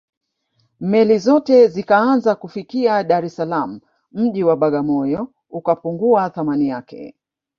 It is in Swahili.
meli zote zikaanza kufikia dar es salaam mji wa bagamoyo ukapungua thamani yake